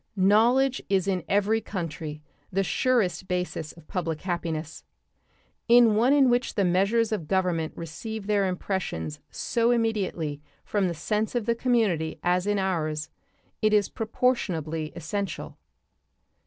Knowledge is in every country the surest basis of public happiness. In one in which the measures of government receive their impressions so immediately from the sense of the community as in ours it is proportionably essential.